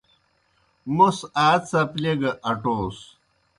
موْس آ څپلیئےگہ اٹوس۔